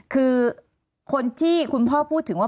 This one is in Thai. คือคนที่คุณพ่อพูดถึงว่า